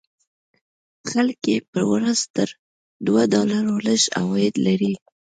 خلک یې په ورځ تر دوو ډالرو لږ عواید لري.